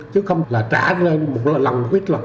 chứ không là trả lên một lần một ít lần